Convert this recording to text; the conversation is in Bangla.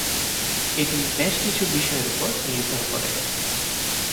এটি বেশ কিছু বিষয়ের উপরে নির্ভর করে।